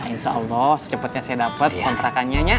insya allah secepatnya saya dapat kontrakannya